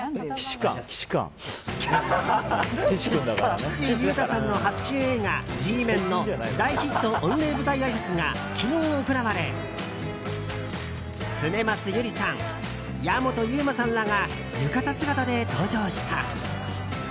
岸優太さんの初主演映画「Ｇメン」の大ヒット御礼舞台あいさつが昨日行われ恒松祐里さん、矢本悠馬さんらが浴衣姿で登場した。